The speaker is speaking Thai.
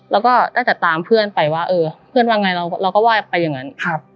แล้วก็ได้แต่ตามเพื่อนไปว่าเออเพื่อนว่าไงเราก็ไหว้ไปอย่างนั้น